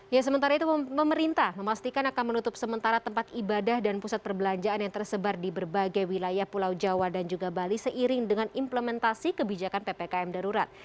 ya sementara itu pemerintah memastikan akan menutup sementara tempat ibadah dan pusat perbelanjaan yang tersebar di berbagai wilayah pulau jawa dan juga bali seiring dengan implementasi kebijakan ppkm darurat